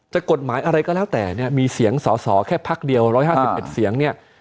กฎหมายอะไรก็แล้วแต่เนี่ยมีเสียงสอสอแค่พักเดียว๑๕๑เสียงเนี่ย